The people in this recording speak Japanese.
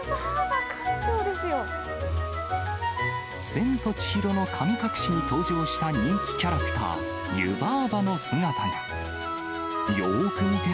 千と千尋の神隠しに登場した人気キャラクター、湯婆婆の姿が。